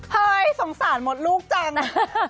เฮ้ยสงสารมดลูกจัง